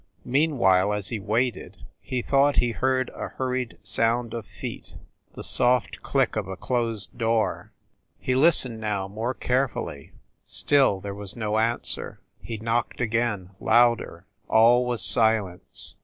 Meanwhile, as he waited, he thought he heard a hurried sound of feet ... the soft click of a closed door. ... He listened now, more carefully. Still there was no answer. He knocked again, louder. All was silence.